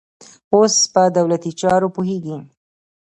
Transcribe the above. اوس په دولتي چارو پوهېږي.